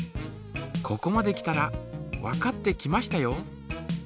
ここまで来たらわかってきましたよ。